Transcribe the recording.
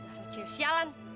asal cewek sialan